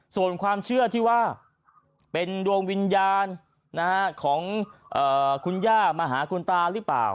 ส่วนความเชื่อที่ว่าเป็นดวงวิญญาณของคุณย่ามาหาคุณตาหรือเปล่า